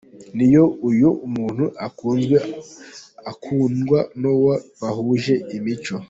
N’iyo uyu umuntu akunzwe akundwa n’uwo bahuje imico.